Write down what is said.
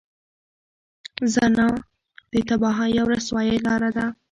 زنا د تباهۍ او رسوایۍ لاره ده.